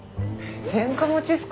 前科持ちっすか？